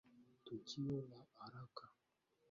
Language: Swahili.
Tukio la haraka.